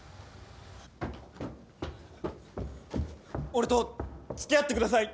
俺と付き合ってください。